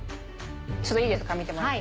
ちょっといいですか見てもらって。